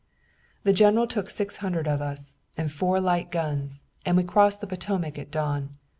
"The general took six hundred of us, and four light guns, and we crossed the Potomac at dawn.